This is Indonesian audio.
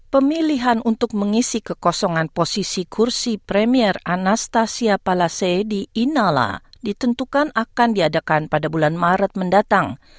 pemilihan untuk mengisi kekosongan posisi kursi premier anastasia palase di inala ditentukan akan diadakan pada bulan maret mendatang